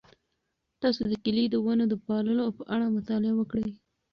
تاسو د کیلې د ونو د پاللو په اړه مطالعه وکړئ.